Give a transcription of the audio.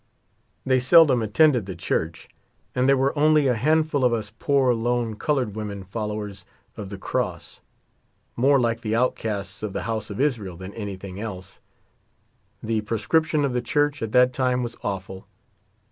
They seldom attended the church ; and there were only a handfull of us poor lone colored women followers of the cross. More like the outcasts of the house of Israel than anything else. The proscription of the church at that time was awful.